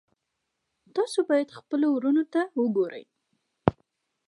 تاسو باید خپلو وروڼو ته وګورئ.